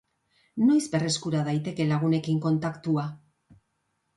Noiz berreskura daiteke lagunekin kontaktua?